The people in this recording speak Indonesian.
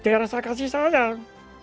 dengan rasa kasih sayang